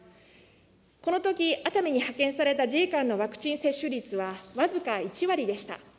このとき、熱海に派遣された自衛官のワクチン接種率は僅か１割でした。